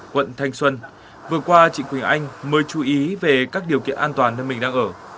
quận thanh xuân vừa qua chị quỳnh anh mới chú ý về các điều kiện an toàn nơi mình đang ở